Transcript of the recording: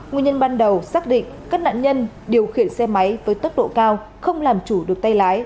nguyên nhân ban đầu xác định các nạn nhân điều khiển xe máy với tốc độ cao không làm chủ được tay lái